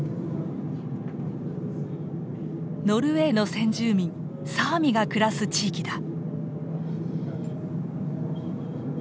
ノルウェーの先住民サーミが暮らす地域だ。